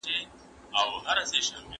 هغه سړی چې طبيعت ساتي، ګټه رسوي.